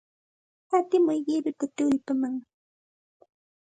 Hatimuy qiruta tullpaman.